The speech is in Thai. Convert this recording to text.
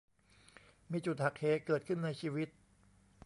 มีจุดหักเหเกิดขึ้นในชีวิต